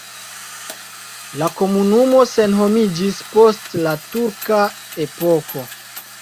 La komunumo senhomiĝis post la turka epoko.